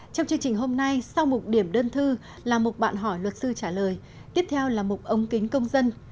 trong chương trình hôm nay sau một điểm đơn thư là một bạn hỏi luật sư trả lời tiếp theo là một ống kính công dân